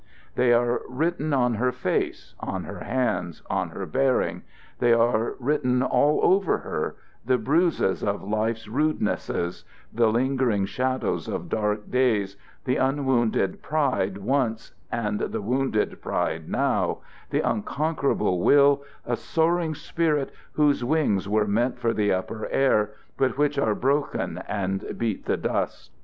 They are written on her face, on her hands, on her bearing; they are written all over her the bruises of life's rudenesses, the lingering shadows of dark days, the unwounded pride once and the wounded pride now, the unconquerable will, a soaring spirit whose wings were meant for the upper air but which are broken and beat the dust.